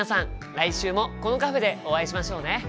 来週もこのカフェでお会いしましょうね。